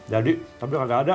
jadi tapi kagak ada